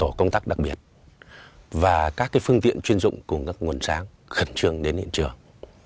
tổ công tác đặc biệt và các phương tiện chuyên dụng cùng các nguồn sáng khẩn trường đến hiện trường